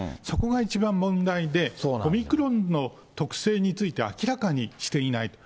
そこが一番問題で、オミクロンの特性について明らかにしていない。